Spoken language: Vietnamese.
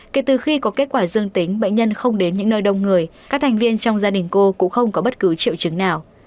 kể từ khi có kết quả dương tính bệnh nhân không đến những nơi đông người các thành viên trong gia đình cô cũng không có bất cứ triệu chứng nào